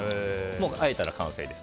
あえたら完成です。